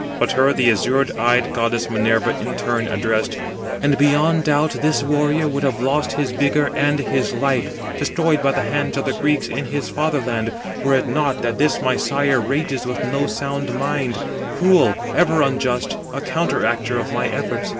But her the azure eyed goddess Minerva in turn addressed: "And beyond doubt this warrior would have lost his vigour and his life, destroyed by the hands of the Greeks in his fatherland, were it not that this my sire rages with no sound mind; cruel, ever unjust, a counteractor of my efforts.